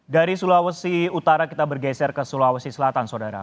dari sulawesi utara kita bergeser ke sulawesi selatan saudara